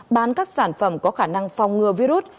bán các sản phẩm có khả năng phong ngừa virus